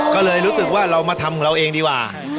ก็เลยรู้สึกว่าเรามาทำของเราเองดีกว่า